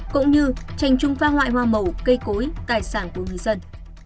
cũng như tranh chung phá hoại hoa màu cây cối tài sản của người dân